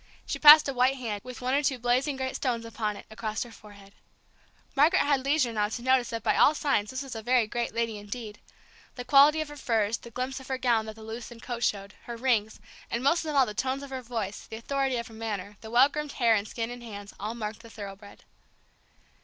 She passed a white hand, with one or two blazing great stones upon it, across her forehead. Margaret had leisure now to notice that by all signs this was a very great lady indeed. The quality of her furs, the glimpse of her gown that the loosened coat showed, her rings, and most of all the tones of her voice, the authority of her manner, the well groomed hair and skin and hands, all marked the thoroughbred.